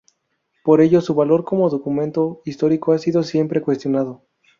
Por ello, su valor como documento histórico ha sido siempre cuestionado.